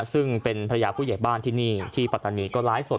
ซึ่งเป็นภรรยาผู้ใหญ่บ้านที่ปัตหนีก็ล้ายสด